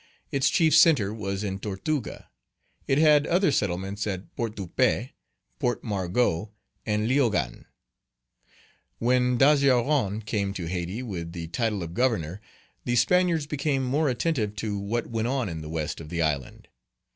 Its chief centre was in Tortuga. It had other settlements at Port de Paix, Port Margot, and Léogane. When Dageron came to Hayti, with the title of Governor, the Spaniards became more attentive to what went on in the west of the island.